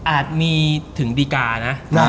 อาจมีถึงดีกานะ